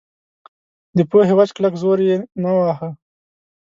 د پوهې وچ کلک زور یې نه واهه.